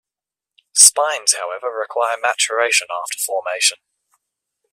Spines, however, require maturation after formation.